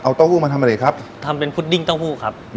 เอาเต้าหู้มาทำอะไรครับทำเป็นพุดดิ้งเต้าหู้ครับ